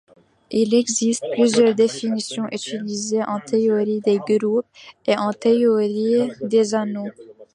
Il existe plusieurs définitions utilisées en théorie des groupes et en théorie des anneaux.